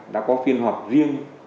đã có phiên họp riêng